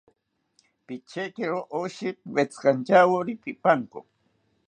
Pichekiro oshi, piwetzikanchawori pipanko